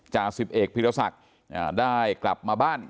จ่าสิบเอกพิรศักดิ์ได้กลับมาบ้าน